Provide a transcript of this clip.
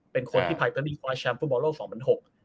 เป็นคนที่ภายใต้อิตาลีคว้าแชมป์ฟุตบอลล่อ๒๐๐๖